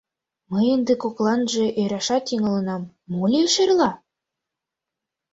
Мый ынде кокланже ӧрашат тӱҥалынам: мо лиеш эрла?